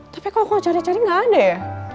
tapi kok aku gak cari cari gak ada ya